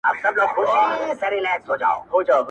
اوس يــې آهـونـــه په واوښتـل.